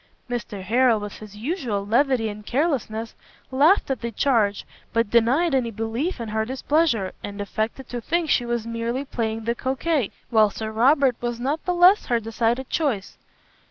Mr Harrel, with his usual levity and carelessness, laughed at the charge, but denied any belief in her displeasure, and affected to think she was merely playing the coquet, while Sir Robert was not the less her decided choice.